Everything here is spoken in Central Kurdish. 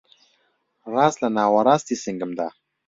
ڕاست لە ناوەڕاستی سنگمدا